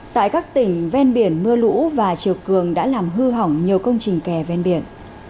tại các tỉnh ven biển mưa lũ và chiều cường đã làm hư hỏng nhiều công trình kè ven biển